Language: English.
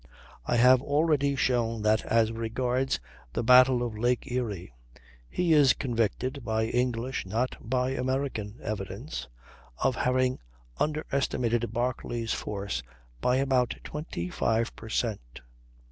I have already shown that, as regards the battle of Lake Erie, he is convicted (by English, not by American, evidence) of having underestimated Barclay's force by about 25 per cent.